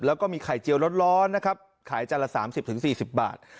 แล้วก็มีไข่เจียวร้อนนะครับขายจานละ๓๐๔๐บาท